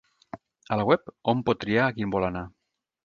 A la web, hom pot triar a quin vol anar.